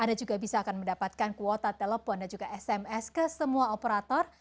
anda juga bisa akan mendapatkan kuota telepon dan juga sms ke semua operator